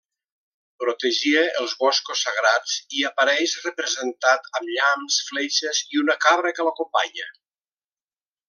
Protegia els boscos sagrats i apareix representat amb llamps, fletxes i una cabra que l'acompanya.